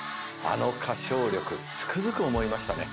あの歌唱力つくづく思いましたね。